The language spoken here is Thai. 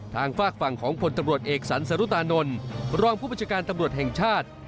ฝากฝั่งของพลตำรวจเอกสรรสรุตานนท์รองผู้บัญชาการตำรวจแห่งชาติ